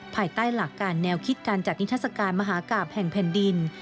ภายใต้หลักการแนวคิดการจัดนิทัศกาลมหากราบแห่งแผ่นดิน